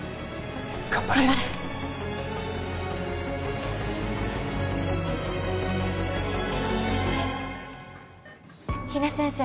頑張れ比奈先生